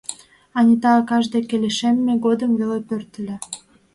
Анита акаж деке лишемме годым веле пӧртыльӧ.